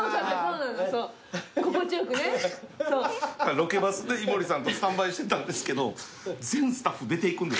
ロケバスで井森さんとスタンバイしてたんですけど全スタッフ出ていくんです。